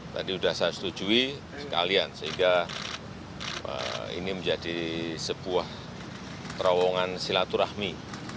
tadi sudah saya setujui sekalian sehingga ini menjadi sebuah terowongan silaturahmi